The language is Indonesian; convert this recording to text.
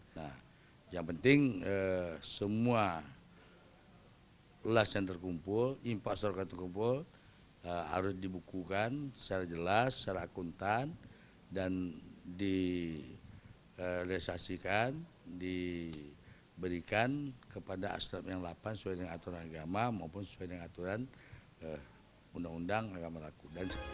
nah yang penting semua las yang terkumpul infak surat yang terkumpul harus dibukukan secara jelas secara akuntan dan direalisasikan diberikan kepada astrap yang delapan sesuai dengan aturan agama maupun sesuai dengan aturan undang undang agama laku